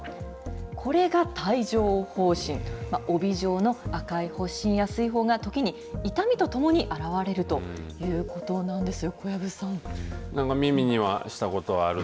これが帯状ほう疹、帯状の赤い発疹や水ほうがときに、痛みとともに現れるということなんですよ、小籔さん。